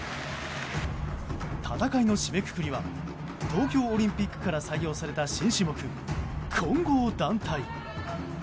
戦いの締めくくりは東京オリンピックから採用された新種目、混合団体。